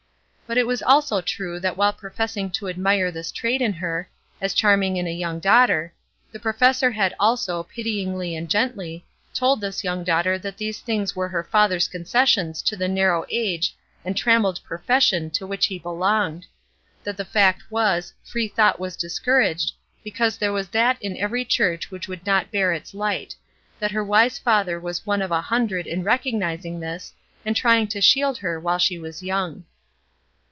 But it is also true that while professing to admire this trait in her, as charming in a young daughter, the professor had also, pityingly and gently, told this young daughter that these things were her father's concessions to the narrow age and trammelled profession to which he belonged; that the fact was, free thought was discouraged, because there was that in every church which would not bear its light; that her wise father was one of a hundred in recognizing this, and trying to shield her while she was young.